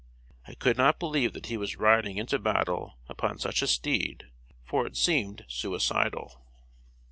I could not believe that he was riding into battle upon such a steed, for it seemed suicidal.